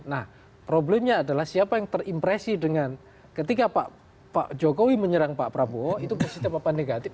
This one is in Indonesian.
nah problemnya adalah siapa yang terimpresi dengan ketika pak jokowi menyerang pak prabowo itu positif apa negatif